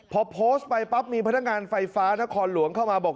พอโพสต์ไปปั๊บมีพนักงานไฟฟ้านครหลวงเข้ามาบอก